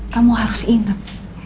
kamu harus ingat